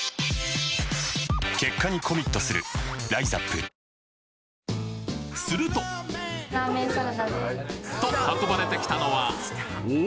あするとと運ばれてきたのはおお！